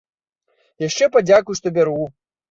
Яшчэ падзякуй, што бяру!